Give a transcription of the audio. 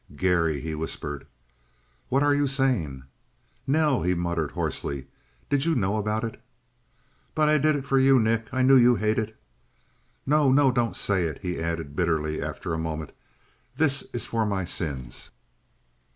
"Garry!" he whispered. "What are you saying?" "Nell," he muttered hoarsely, "did you know about it?" "But I did it for you, Nick. I knew you hated " "No, no! Don't say it!" He added bitterly, after a moment. "This is for my sins."